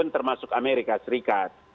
termasuk amerika serikat